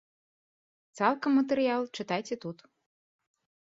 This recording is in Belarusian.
Цалкам матэрыял чытайце тут.